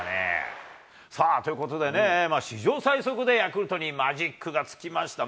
ということでね、史上最速でヤクルトにマジックがつきました。